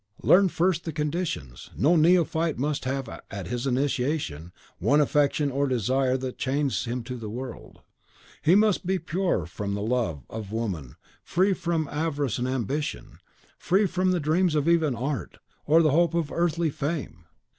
"Learn, first, the conditions. No neophyte must have, at his initiation, one affection or desire that chains him to the world. He must be pure from the love of woman, free from avarice and ambition, free from the dreams even of art, or the hope of earthly fame.